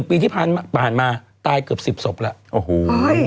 ๑ปีที่ผ่านมาตายก็๑๐ศพแล้ว